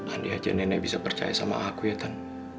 andi aja nenek bisa percaya sama aku ya kan